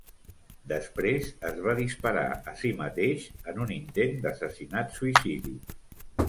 Després es va disparar a si mateix en un intent d'assassinat-suïcidi.